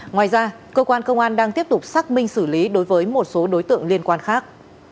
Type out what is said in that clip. ngoài ra cơ quan công an đang tiếp tục xác minh xử lý đối với một số đối tượng liên quan khác